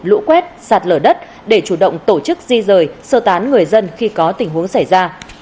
lũ quét sạt lở đất để chủ động tổ chức di rời sơ tán người dân khi có tình huống xảy ra